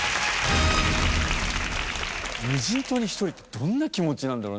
無人島に１人ってどんな気持ちなんだろうね？